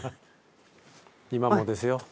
今もですよ。